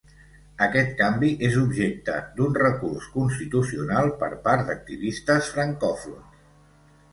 Aquest canvi és objecte d'un recurs constitucional per part d'activistes francòfons.